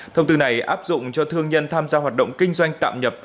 thông tư này áp dụng cho thương nhân tham gia hoạt động kinh doanh tạm nhập